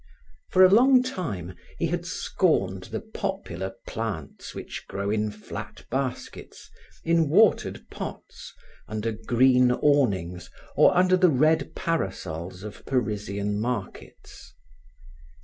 For a long time he had scorned the popular plants which grow in flat baskets, in watered pots, under green awnings or under the red parasols of Parisian markets.